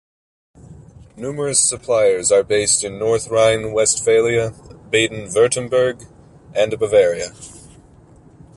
Numerous suppliers are based in North Rhine-Westphalia, Baden-Württemberg and Bavaria.